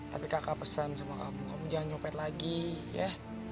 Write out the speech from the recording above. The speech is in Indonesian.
tapi kakak pesan sama kamu kamu jangan nyopet lagi ya